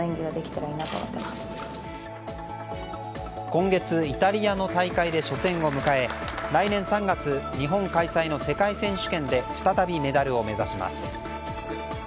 今月イタリアの大会で初戦を迎え、来年３月日本開催の世界選手権で再びメダルを狙います。